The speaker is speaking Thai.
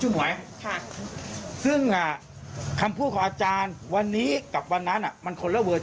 หนูไม่เคยเขาโทรมาว่าฮัลโหลนี่ใช่อาจารย์น้อยไหมคะ